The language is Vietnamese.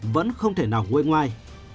vẫn không thể nào nguyên ngoài